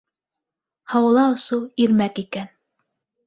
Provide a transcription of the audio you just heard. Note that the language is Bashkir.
Һауала осоу ирмәк икән.